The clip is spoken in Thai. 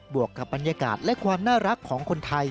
วกกับบรรยากาศและความน่ารักของคนไทย